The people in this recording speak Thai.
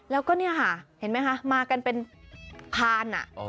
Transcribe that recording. แล้วก็เนี้ยฮะเห็นไหมฮะมากันเป็นพาน่ะอ๋อ